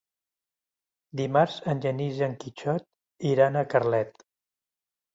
Dimarts en Genís i en Quixot iran a Carlet.